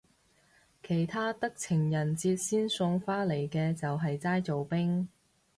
其他得情人節先送花嚟嘅就係齋做兵